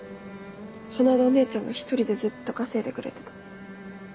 その間お姉ちゃんが１人でずっと稼いでくれてた。